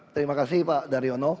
terima kasih pak daryono